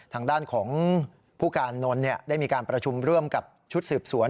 ทางด้านของผู้การนนท์ได้มีการประชุมร่วมกับชุดสืบสวน